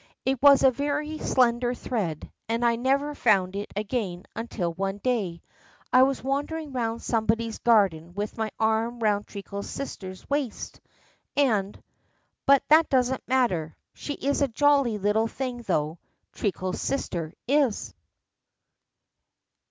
It was a very slender thread, and I never found it again until, one day, I was wandering round somebody's garden with my arm round Treacle's sister's waist, and, but that doesn't matter! She is a jolly little thing, though Treacle's sister is.